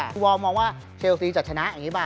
ฟุตบอลมองว่าเชลซีจะชนะอย่างนี้ป่